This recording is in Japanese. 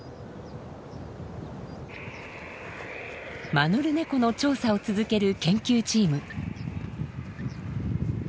マヌルネコの調査を続ける研究チーム。